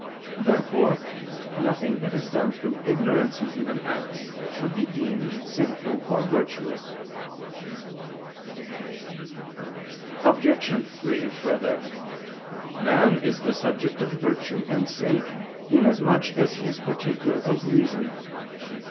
Therefore nothing that is done through ignorance in human acts, should be deemed sinful or virtuous. Obj. 3: Further, man is the subject of virtue and sin, inasmuch as he is partaker of reason.